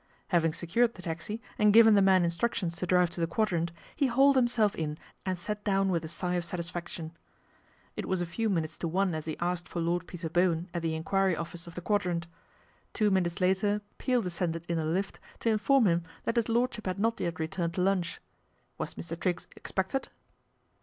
Having secured the taxi and given the man instructions to drive to the Quadrant, he hauled himself in and sat down with a sigh oi satisfaction. It was a few minutes to one as he asked foi Lord Peter Bowen at the enquiry office of th( Quadrant. Two minutes later Peel descendec in the lift to inform him that his Lordship hac MR. TRIGGS TAKES TEA 209 not yet returned to lunch. Was Mr. Triggs ex pected